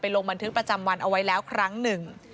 ลงบันทึกประจำวันเอาไว้แล้วครั้งหนึ่ง